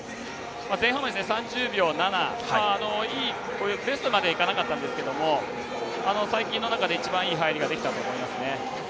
前半も３０秒７ベストまではいかなかったですけど最近の中で一番いい入りができたと思いますね。